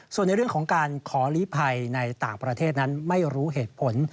ส่วนในเรื่องของการขอลีภัยในต่างประเทศนั้นไม่รู้เหตุผล